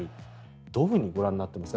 どういうふうにご覧になっていますか。